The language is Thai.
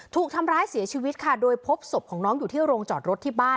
ถูกทำร้ายเสียชีวิตค่ะโดยพบศพของน้องอยู่ที่โรงจอดรถที่บ้าน